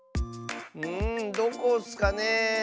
んどこッスかね？